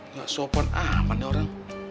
nggak sopan amat ya orang